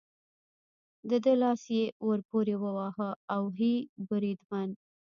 د ده لاس یې ور پورې وواهه، اوهې، بریدمن.